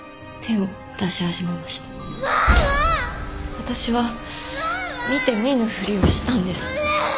私は見て見ぬふりをしたんです。